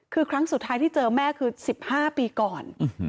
คือครั้งสุดท้ายที่เจอแม่คือ๑๕ปีก่อน